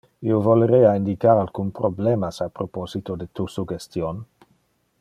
Io volerea indicar alcun problemas a proposito de tu suggestion.